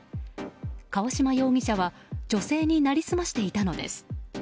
川島容疑者は女性に成り済ましていたのです。